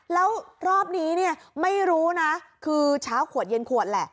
แล้วรอบนี้เนี่ยไม่รู้นะคือเช้าขวดเย็นขวดแหละ